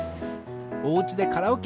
おうちでカラオケ！